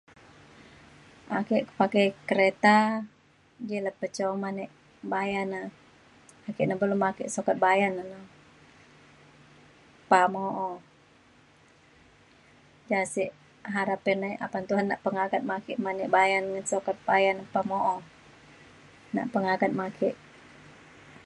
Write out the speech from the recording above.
ake pakai kereta ji lepa ca uman e bayan na ake nebelum ake sukat bayan na na pa mo’o. ja sek harap e nai apan Tuhan nak pengagat me ake man e bayan sukat ngan bayan na pa mo’o nak pengagat me ake